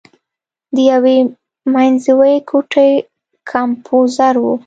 د یوې منځوۍ ګوتې کمپوزر و.